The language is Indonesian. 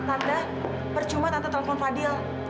tanda percuma tanda telepon fadil